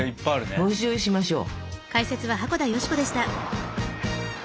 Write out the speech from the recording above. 募集しましょう。